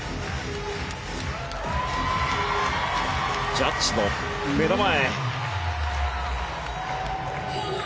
ジャッジの目の前。